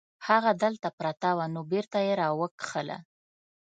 هغه هلته پرته وه نو بیرته یې راوکښله.